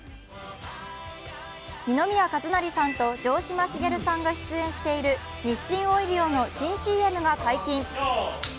二宮和也さんと城島茂さんが出演している日清オイリオの新ＣＭが解禁。